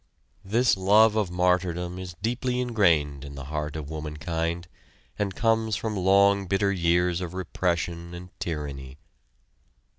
This love of martyrdom is deeply ingrained in the heart of womankind, and comes from long bitter years of repression and tyranny.